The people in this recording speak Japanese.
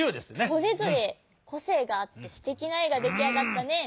それぞれこせいがあってすてきなえができあがったね。